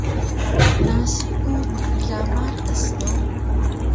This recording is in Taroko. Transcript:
Nasi ku mkla matas do